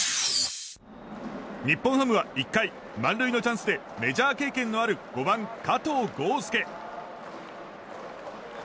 日本ハムは１回満塁のチャンスでメジャー経験のある５番、加藤豪将。